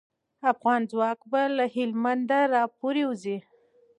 افغان ځواک به له هلمند راپوری وځي.